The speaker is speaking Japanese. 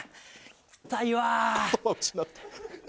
痛いわー。